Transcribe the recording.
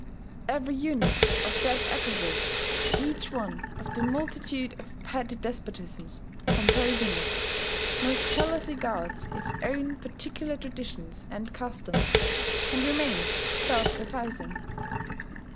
Every unit of that aggregate, each one of the multitude of petty despotisms composing it, most jealously guards its own particular traditions and customs, and remains self sufficing.